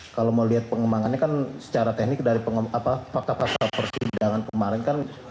kalau mau lihat pengembangannya kan secara teknik dari fakta fakta persidangan kemarin kan